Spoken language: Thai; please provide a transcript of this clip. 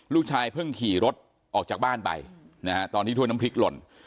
ลูกชายเพิ่งขี่รถออกจากบ้านไปนะฮะตอนที่ถ้วยน้ำพริกหล่น